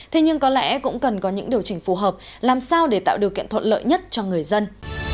thế nhưng có lẽ cũng cần có những điều chỉnh phù hợp làm sao để tạo điều kiện thuận lợi nhất cho người dân